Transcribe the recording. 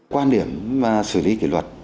quan điểm xử lý kỷ luật